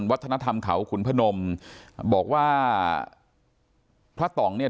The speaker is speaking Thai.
วัฒนธรรมเขาขุนพนมบอกว่าพระต่องเนี่ย